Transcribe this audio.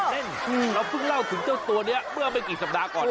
เล่นเราเพิ่งเล่าถึงเจ้าตัวนี้เมื่อไม่กี่สัปดาห์ก่อน